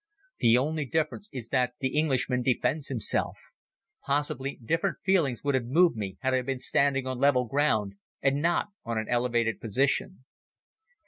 The only difference is that the Englishman defends himself. Possibly, different feelings would have moved me had I been standing on level ground and not on an elevated position.